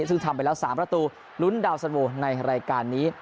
ซึ่งทำไปแล้ว๓ประตูลุ้นดาวสันโวในรายการนี้